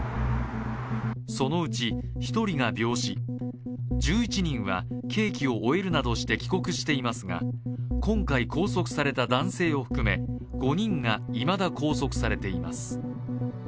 そのうち１人が病死、１１人は刑期を終えるなどして帰国していますが、今回拘束された男性を含め５人がいまだ拘束されています。